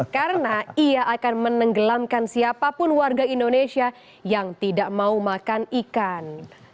karena ia akan menenggelamkan siapapun warga indonesia yang tidak mau makan ikan